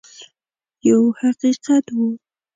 یو حقیقت وو.